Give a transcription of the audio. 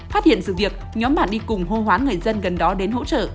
phát hiện sự việc nhóm bạn đi cùng hô hoán người dân gần đó đến hỗ trợ